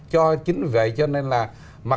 cho chính vậy cho nên là